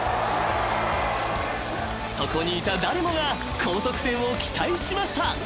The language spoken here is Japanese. ［そこにいた誰もが高得点を期待しました］